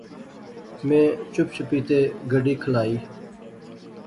میں چپ چپیتے گڈی کھلائی